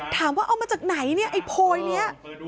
ถามว่าเอามาจากไหนเนี่ยไอ้โพยนี้